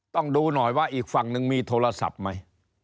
ต้องดูหน่อยว่าอีกฝั่งหนึ่งมีโทรศัพท์ไหม